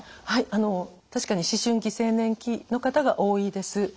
はい確かに思春期・青年期の方が多いです。